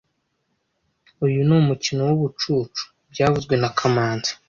Uyu ni umukino wubucucu byavuzwe na kamanzi